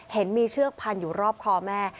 เห็นมีเชือกพันอยู่รอบคอแม่